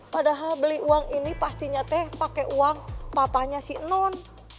padahal beli uang ini pastinya teh pakai uang papanya si non